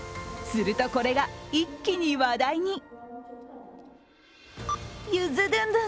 するとこれが一気に話題に。